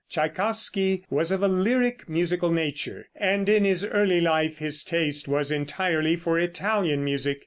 Tschaikowsky was of a lyric musical nature, and in his early life his taste was entirely for Italian music.